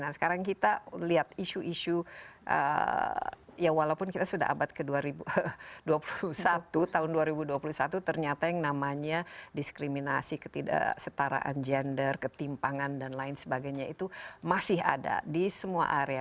nah sekarang kita lihat isu isu ya walaupun kita sudah abad ke dua ribu dua puluh satu tahun dua ribu dua puluh satu ternyata yang namanya diskriminasi ketidaksetaraan gender ketimpangan dan lain sebagainya itu masih ada di semua area